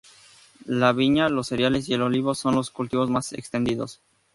La viña, los cereales y el olivo son los cultivos más extendidos.